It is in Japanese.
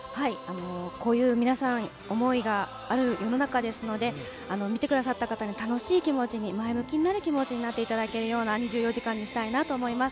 こういう皆さん、想いがある世の中ですので、見てくださった方に楽しい気持ちに、前向きになる気持ちになっていただけるような２４時間にしたいなと思います。